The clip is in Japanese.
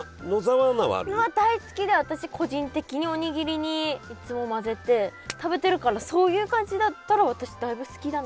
大好きで私個人的におにぎりにいつも混ぜて食べてるからそんな感じだったかな。